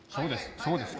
そうですか？